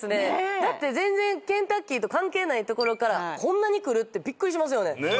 だって全然ケンタッキーと関係ないところからこんなにくるってびっくりしますよね。